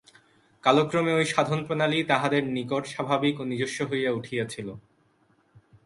কালক্রমে ঐ সাধনপ্রণালী তাঁহাদের নিকট স্বাভাবিক ও নিজস্ব হইয়া উঠিয়াছিল।